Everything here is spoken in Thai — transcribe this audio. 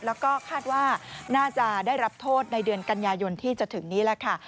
แล้วก็คาดว่าน่าจะได้รับโทษในเดือนกันยายนที่จะถึงนี้แหละค่ะ